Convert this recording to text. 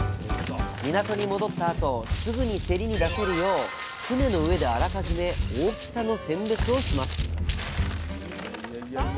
港に戻ったあとすぐに競りに出せるよう船の上であらかじめ大きさの選別をします